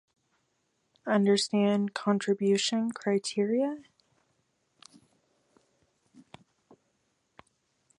His plans for world conquest are foiled by Hawkman and the All-Star Squadron.